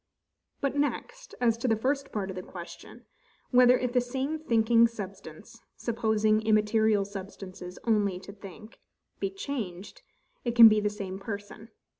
But next, as to the first part of the question, Whether, if the same thinking substance (supposing immaterial substances only to think) be changed, it can be the same person?